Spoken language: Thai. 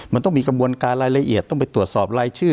มันต้องมีกระบวนการรายละเอียดต้องไปตรวจสอบรายชื่อ